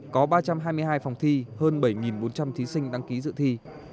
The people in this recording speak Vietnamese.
có ba trăm hai mươi hai phòng thi hơn bảy bốn trăm linh thí sinh đăng ký dự thi